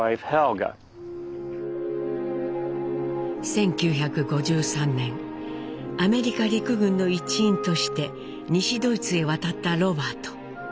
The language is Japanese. １９５３年アメリカ陸軍の一員として西ドイツへ渡ったロバート。